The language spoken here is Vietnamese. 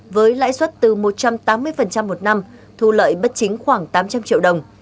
với lãi suất từ một trăm tám mươi một năm thu lợi bất chính khoảng tám trăm linh triệu đồng